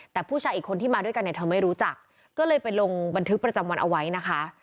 แต่ผู้ชายอีกคนที่มาด้วยกันเนี่ยเธอไม่รู้จักก็เลยไปลงบันทึกประจำวันเอาไว้นะคะ